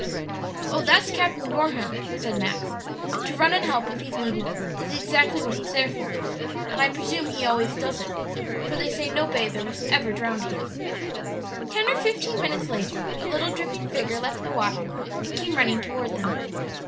"Oh, that's Captain Gorham," said Max. "and to run and help if he's needed is exactly what he's there for. And I presume he always does it; for they say no bather was ever drowned here." Ten or fifteen minutes later a little dripping figure left the water, and came running toward them.